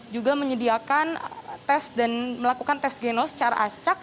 juga menyediakan tes dan melakukan tes genos secara acak